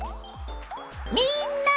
みんな！